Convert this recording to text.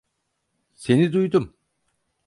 Seni duydum.